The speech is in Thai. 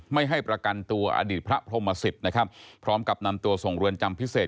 ไม่ให้ประกันตัวอดีตพระพรหมสิตนะครับพร้อมกับนำตัวส่งเรือนจำพิเศษ